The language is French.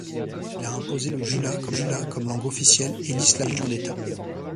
Il a imposé le Jula comme langue officielle et l'Islam comme religion d'État.